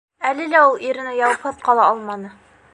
Әле лә ул иренә яуапһыҙ ҡала алманы: